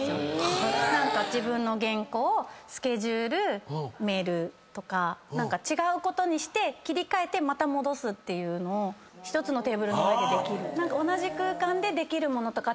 自分の原稿スケジュールメールとか何か違うことをして切り替えてまた戻すっていうのを１つのテーブルの上でできる。